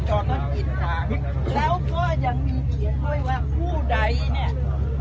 ช่างหลังนี้บอกละยาย่าห้ามกินหาสมอ